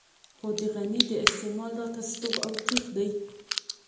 خو د غني د استعمال راته ستوغ او ترېخ دی.